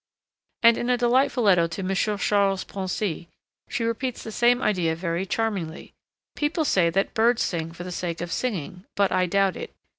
And in a delightful letter to M. Charles Poncy she repeats the same idea very charmingly. 'People say that birds sing for the sake of singing, but I doubt it.